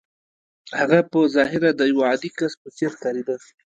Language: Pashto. هغه په ظاهره د يوه عادي کس په څېر ښکارېده.